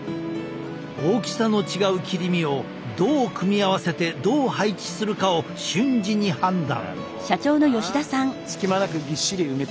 大きさの違う切り身をどう組み合わせてどう配置するかを瞬時に判断。